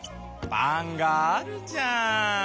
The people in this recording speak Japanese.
パンがあるじゃん。